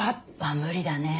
無理だね